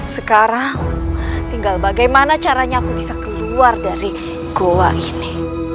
sekarang tinggal bagaimana caranya aku bisa keluar dari goa ini